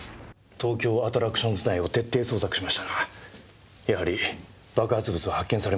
東京アトラクションズ内を徹底捜索しましたがやはり爆発物は発見されませんでした。